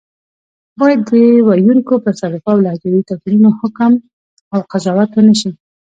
بايد د ویونکو پر سلیقو او لهجوي توپیرونو حکم او قضاوت ونشي